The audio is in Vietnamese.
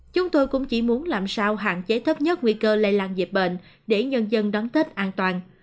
chúng tôi cũng chỉ muốn làm sao hạn chế thấp nhất nguy cơ lây lan dịch bệnh để nhân dân đón tết an toàn